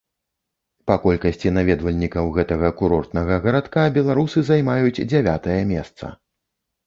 Па колькасці наведвальнікаў гэтага курортнага гарадка беларусы займаюць дзявятае месца.